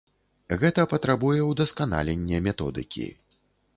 Гэта патрабуе ўдасканалення методыкі.